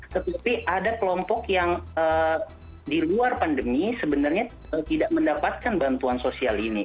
tetapi ada kelompok yang di luar pandemi sebenarnya tidak mendapatkan bantuan sosial ini